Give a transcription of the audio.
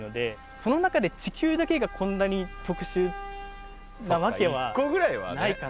その中で地球だけがこんなに特殊なわけはないかな。